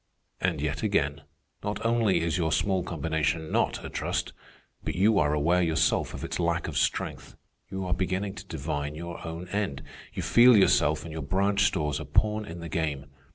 And yet again, not only is your small combination not a trust, but you are aware yourself of its lack of strength. You are beginning to divine your own end. You feel yourself and your branch stores a pawn in the game.